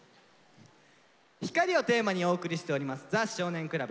「ＨＩＫＡＲＩ」をテーマにお送りしております「ザ少年倶楽部」。